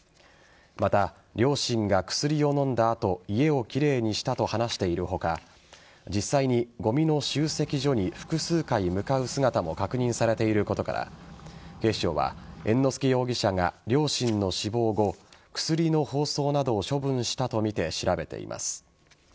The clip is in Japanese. また、両親が薬を飲んだ後家を奇麗にしたと話している他実際にごみの集積場に複数回、向かう姿も確認されていることから警視庁は猿之助容疑者が両親の死亡後薬の包装などを処分したとみて調べています。